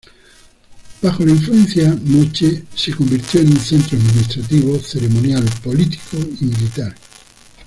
Bajo la influencia moche se convirtió en un centro administrativo ceremonial, político y militar.